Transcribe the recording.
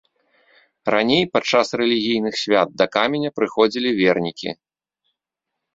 Раней падчас рэлігійных свят да каменя прыходзілі вернікі.